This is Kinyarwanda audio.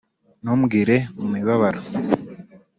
ntumbwire, mu mubabaro,